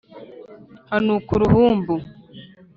Hanukaga uruhumbu .